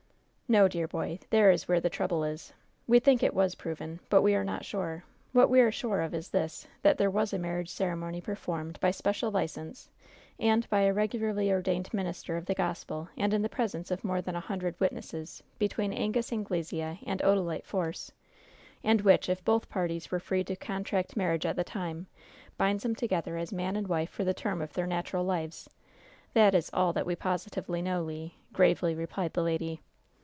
"No, dear boy, there is where the trouble is. We think it was proven, but we are not sure. What we are sure of is this that there was a marriage ceremony performed by special license, and by a regularly ordained minister of the gospel, and in the presence of more than a hundred witnesses, between Angus Anglesea and Odalite Force, and which, if both parties were free to contract marriage at the time, binds them together as man and wife for the term of their natural lives. That is all that we positively know, Le," gravely replied the lady.